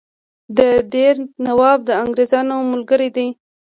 د دیر نواب د انګرېزانو ملګری دی.